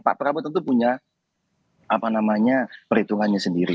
pak prabowo tentu punya apa namanya perhitungannya sendiri ya